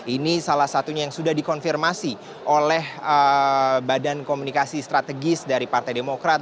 ini salah satunya yang sudah dikonfirmasi oleh badan komunikasi strategis dari partai demokrat